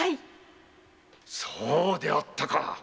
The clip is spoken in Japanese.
そうであったか。